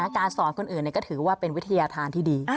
การสอนคนอื่นก็ถือว่าเป็นวิทยาธารที่ดี